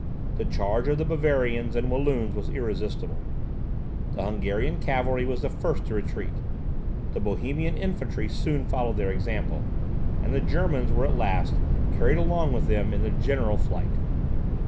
The charge of the Bavarians and Walloons was irresistible. The Hungarian cavalry was the first to retreat. The Bohemian infantry soon followed their example; and the Germans were at last carried along with them in the general flight.